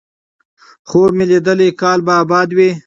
خوب مې ليدلی کال به اباد وي،